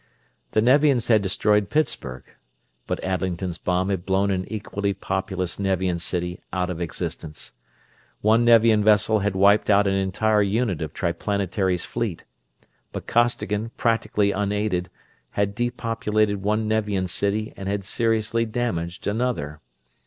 The Nevians had destroyed Pittsburgh, but Adlington's bomb had blown an equally populous Nevian city out of existence. One Nevian vessel had wiped out an entire unit of Triplanetary's fleet; but Costigan, practically unaided, had depopulated one Nevian city and had seriously damaged another.